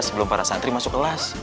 sebelum para santri masuk kelas